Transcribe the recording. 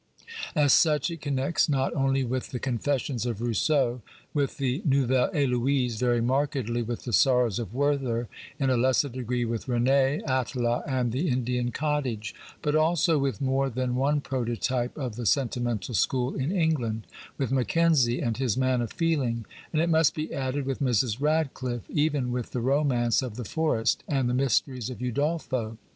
As such it connects not only with the " Confessions of Rousseau "; with the Noiivelle Heloise ; very markedly with the "Sorrows of Werther"; in a lesser degree with "Rene," "Atala" and the " Indian Cottage "; but also with more than one proto type of the sentimental school in England — with Mackenzie and his " Man of Feeling," and, it must be added, with Mrs. Radcliffe, even with "The Romance of the Forest" and "The Mysteries of Udolpho."